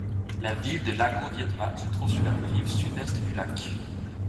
La ville de Lago Viedma se trouve sur la rive sud-est du lac.